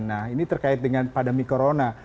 nah ini terkait dengan pandemi corona